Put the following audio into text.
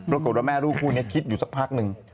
โรคกรมแม่ลูกผู้นี้คิดอยู่สักพักหนึ่ง